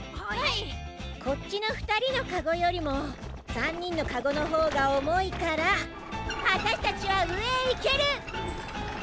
こっちのふたりのかごよりも３にんのかごのほうがおもいからわたしたちはうえへいける！